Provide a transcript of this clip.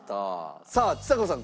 さあちさ子さん